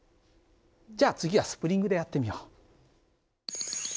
じゃあ次はスプリングでやってみよう。